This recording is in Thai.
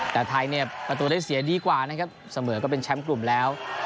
แต่ไทยเนี่ยประตูได้เสียดีกว่านะครับเสมอก็เป็นแชมป์กลุ่มแล้ว